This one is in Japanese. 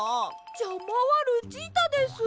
じゃまはルチータです！